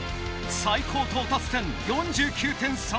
最高到達点４９．３ｍ。